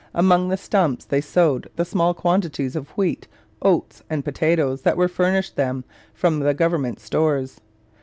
Among the stumps they sowed the small quantities of wheat, oats, and potatoes that were furnished from the government stores.